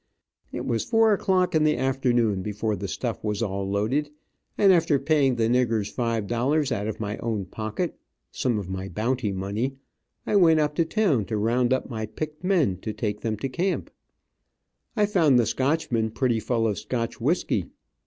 It was four o clock in the afternoon before the stuff was all loaded, and after paying the niggers five dollars out of my own pocket, some of my bounty money, I went up to town to round up my picked men to take them to camp. I found the Scotchman pretty full of Scotch whisky.